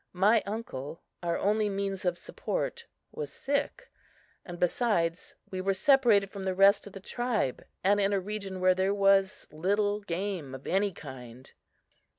My uncle, our only means of support, was sick; and besides, we were separated from the rest of the tribe and in a region where there was little game of any kind.